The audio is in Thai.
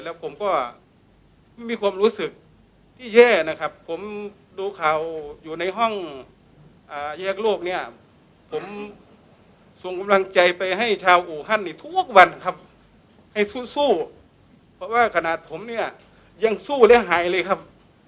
แล้วผมก็ไม่มีความรู้สึกที่แย่นะครับผมดูข่าวอยู่ในห้องแยกโลกเนี่ยผมส่งกำลังใจไปให้ชาวอู่ฮั่นนี่ทุกวันครับให้สู้เพราะว่าขนาดผมเนี่ยยังสู้และหายเลยครับ